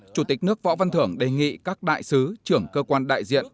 chủ tịch nước võ văn thưởng đề nghị các đại sứ trưởng cơ quan đại diện